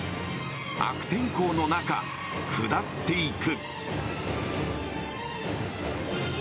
悪天候の中、下っていく。